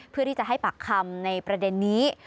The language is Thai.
เพื่อที่จะให้ปากคำในประเด็นนี้